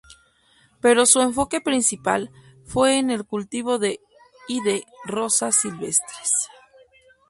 Pero su enfoque principal fue en el cultivo de y de rosas silvestres.